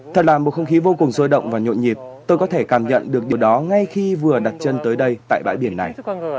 thật là một không khí vô cùng sôi động và nhộn nhịp tôi có thể cảm nhận được điều đó ngay khi vừa đặt chân tới đây tại bãi biển này